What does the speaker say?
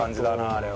あれは。